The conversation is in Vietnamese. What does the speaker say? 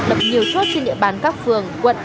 đập nhiều chốt trên địa bàn các phường quận